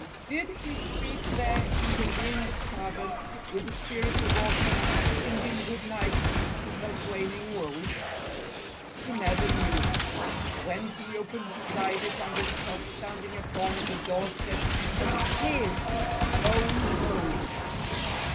Did he sleep there in the Winds' Cavern with the Spirit of Autumn singing good night to her flaming world? He never knew. When he opened his eyes he found himself standing upon the doorstep of his own home!